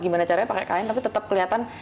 gimana caranya pakai kain tapi tetap kelihatan